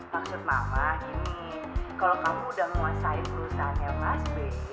maksud mama ini kalau kamu udah nguasai perusahaannya mas b